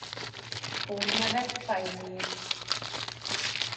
Kódneve Pioneer.